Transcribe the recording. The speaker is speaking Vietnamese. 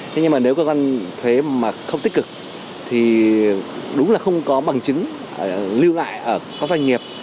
thế nhưng mà nếu cơ quan thuế mà không tích cực thì đúng là không có bằng chứng lưu lại ở các doanh nghiệp